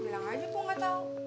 bilang aja pak nggak tahu